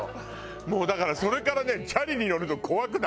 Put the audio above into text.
もうだからそれからねチャリに乗るの怖くなったの。